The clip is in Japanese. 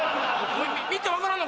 見て分からんの？